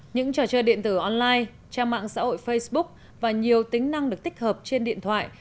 những trò chơi điện tử online trang mạng xã hội facebook và nhiều tính năng được tích hợp trên điện thoại